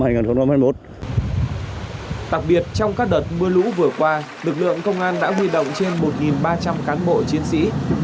đặc biệt trong các đợt mưa lũ vừa qua lực lượng công an đã huy động trên một ba trăm linh cán bộ chiến sĩ